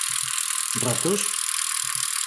Ratos?